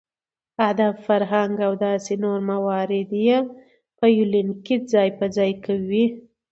اداب ،فرهنګ او داسې نور موارد يې په يونليک کې ځاى په ځاى کوي .